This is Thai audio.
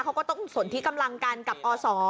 เขาก็ต้องสนที่กำลังกันกับอศ